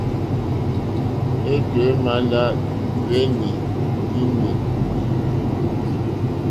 Étò é mà lá hwɛ́nɛ́ ndí nà è pùrzí.